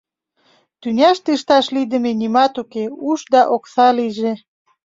Тӱняште ышташ лийдыме нимат уке, уш да окса лийже.